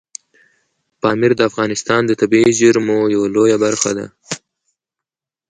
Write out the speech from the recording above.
پامیر د افغانستان د طبیعي زیرمو یوه لویه برخه ده.